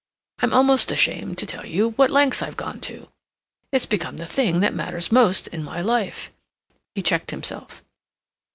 I'm almost ashamed to tell you what lengths I've gone to. It's become the thing that matters most in my life." He checked himself.